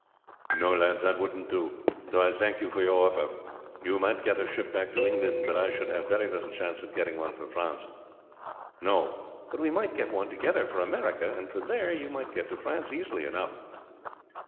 "No, lad, that wouldn't do; though I thank you for your offer. You might get a ship back to England, but I should have very little chance of getting one for France." "No; but we might get one together for America, and from there you might get to France easily enough."